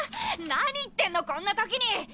何言ってんのこんな時に！